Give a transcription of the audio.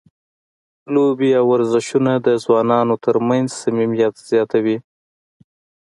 لوبې او ورزشونه د ځوانانو ترمنځ صمیمیت زیاتوي.